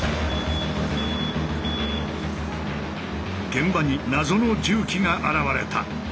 現場に謎の重機が現れた。